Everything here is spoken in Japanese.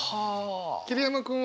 桐山君は？